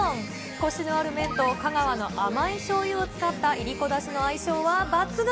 こしのある麺と、香川の甘いしょうゆを使ったいりこだしの相性は抜群。